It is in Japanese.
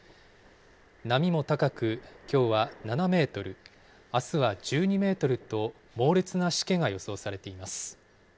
波も高く、きょうは７メートル、あすは１２メートルと猛烈なしけが予想されています。